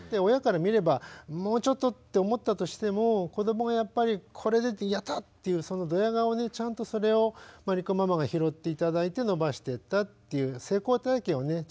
親から見ればもうちょっとって思ったとしても子どもがやっぱりこれで「やった！」というどや顔をねちゃんとそれを真理子ママが拾って頂いて伸ばしていったっていう成功体験をね